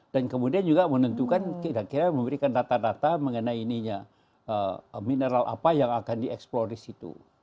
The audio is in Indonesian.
dan kemudian juga menentukan kira kira memberikan data data mengenai mineral apa yang akan dieksplorasi di situ